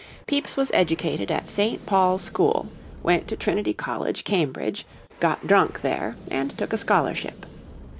Pepys was educated at St. Paul's School, went to Trinity College, Cambridge, got drunk there, and took a scholarship.